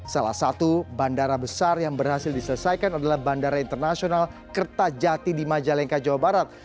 salah satu bandara besar yang berhasil diselesaikan adalah bandara internasional kertajati di majalengka jawa barat